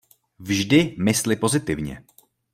Vždy mysli pozitivně.